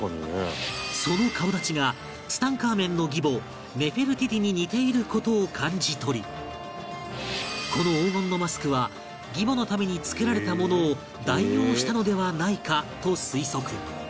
その顔立ちがツタンカーメンの義母ネフェルティティに似ている事を感じ取りこの黄金のマスクは義母のために作られたものを代用したのではないかと推測